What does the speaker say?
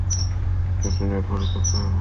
এটা নিয়ে পরে কথা হবে।